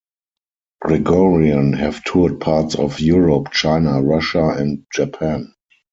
Gregorian have toured parts of Europe, China, Russia and Japan.